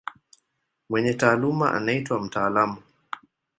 Mwenye taaluma anaitwa mtaalamu.